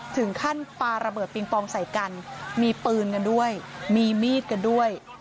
ถึงขั้นปลาระเบิดปิงปองใส่กันมีปืนกันด้วยมีมีดกันด้วย